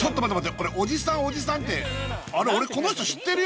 これおじさんおじさんってあれ俺この人知ってるよ！